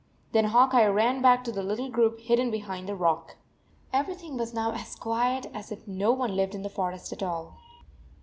Then Hawk Eye ran back to the little group hidden behind the rock. Everything was now as quiet as if no one lived in the forest at all.